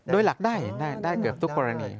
โดยหลักได้เกือบทุกกรณี